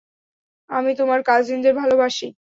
আমি তোমার কাজিনদের ভালোবাসি।